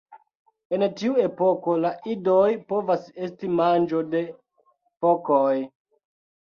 En tiu epoko la idoj povas esti manĝo de fokoj.